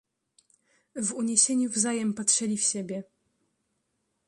"W uniesieniu wzajem patrzeli w siebie."